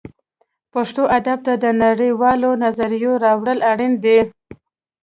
پښتو ادب ته د نړۍ والو نظریو راوړل اړین دي